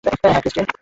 হ্যাঁ, ক্রিস্টিন।